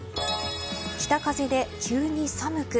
北風で急に寒く。